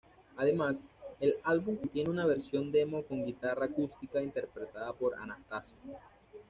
Además, el álbum contiene una versión demo con guitarra acústica interpretada por Anastasio.